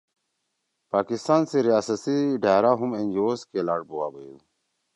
پاکستان سی ریاست سی ڈھأرا ہُم این جی اوز کے لاݜ بُوا بیَدُو۔